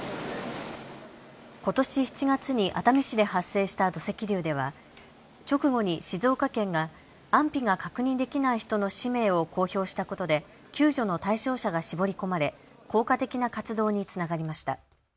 ことし７月に熱海市で発生した土石流では直後に静岡県が安否が確認できない人の氏名を公表したことで救助の対象者が絞り込まれ効果的な活動につながりました。